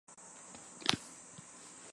县治所在地为阿伯塔巴德。